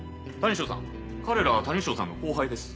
彼らは谷ショーさんの後輩です